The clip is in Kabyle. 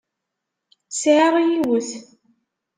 Sεiɣ yiwet.